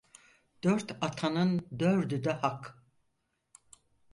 Dört atanın dördü de hak.